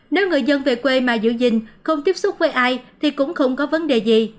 nếu người dân về quê mà giữ gìn không tiếp xúc với ai thì cũng không có vấn đề gì